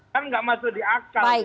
kan nggak masuk di akal